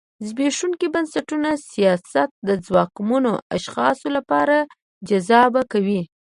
زبېښونکي بنسټونه سیاست د ځواکمنو اشخاصو لپاره جذابه کوي.